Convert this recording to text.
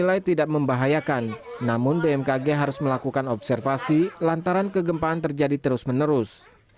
dinilai tidak membahayakan namun bmkg harus melakukan observasi lantaran kegempaan terjadi terus menerus